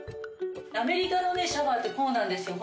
アメリカのねシャワーってこうなんですよ。